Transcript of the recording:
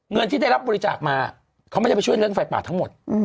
เงินที่ได้รับบริจาคมาเขาไม่ได้ไปช่วยเรื่องไฟป่าทั้งหมด